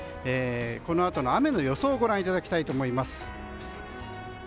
このあとの雨の予想をご覧いただきたいと思います。